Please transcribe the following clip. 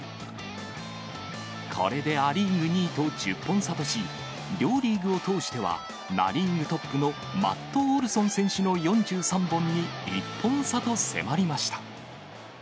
これでア・リーグ２位と１０本差とし、両リーグを通しては、ナ・リーグトップのマット・オルソン選手の４３本に１本差と迫りました。